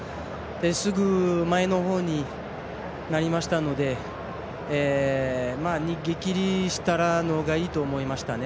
すぐ前のほうになりましたので逃げきりしたほうがいいと思いましたね。